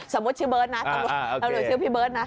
สมมติชื่อเบิร์ดนะหรือชื่อพี่เบิร์ดนะ